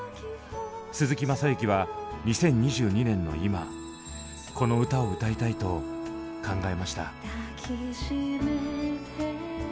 鈴木雅之は２０２２年の今この歌をうたいたいと考えました。